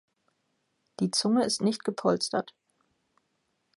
Die Zunge ist nicht gepolstert.